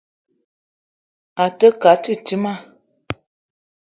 A te ke a titima.